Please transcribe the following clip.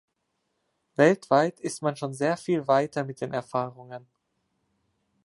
Weltweit ist man schon sehr viel weiter mit den Erfahrungen.